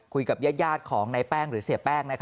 คุยกับญาติของในแป้งหรือเสียแป้ง